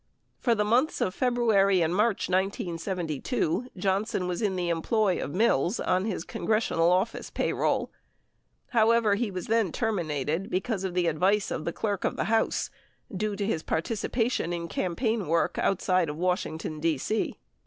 For the months of February and March 1972, Johnson was in the em ploy of Mills on his congressional office payroll ; however, he was then terminated because of the advice of the Clerk of the House due to his participation in campaign work outside of Washington, D.C.